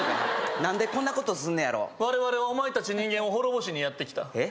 何でこんなことすんのやろ我々はお前達人間を滅ぼしにやってきたえっ？